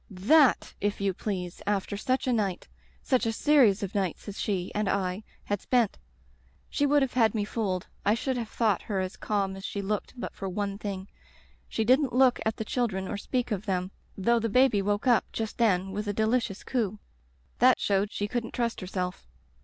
" Thaty if you please, after such a night — such a series of nights as she — ^and I — ^had spent. She would have had me fooled — I should have thought her as calm as she looked but for one thing. She didn't look at the children or speak of them, though the baby woke up just then with a delicious coo. That showed she couldn't trust herself.